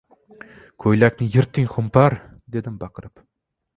— Ko‘ylakni yirtding, xumpar! — dedim baqirib.